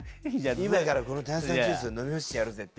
今からこの炭酸ジュースを飲みほしてやるぜって。